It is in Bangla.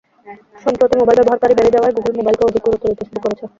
সম্প্রতি মোবাইল ব্যবহারকারী বেড়ে যাওয়ায় গুগল মোবাইলকে অধিক গুরুত্ব দিতে শুরু করেছে।